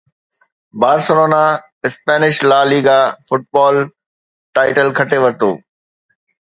Barcelona Spanish La Liga football title کٽي ورتو